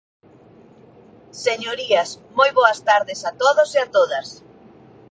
Señorías, moi boas tardes a todos e a todas.